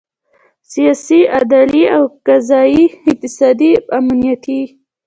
سیاسي، عدلي او قضایي، اقتصادي، امنیتي